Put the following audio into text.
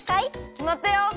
きまったよ！